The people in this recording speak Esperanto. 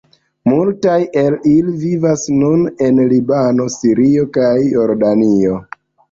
Multaj el ili vivas nun en Libano, Sirio kaj Jordanio.